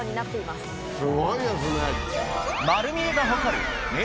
すごいですね。